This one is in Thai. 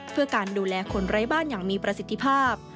เพื่อการดูแลคนไร้บ้านอย่างมีประสิทธิภาพ